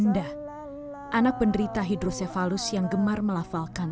ya nabi salam alaika